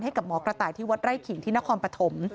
กับหมอกระต่ายที่วัดไร่ขิงที่นครปฐม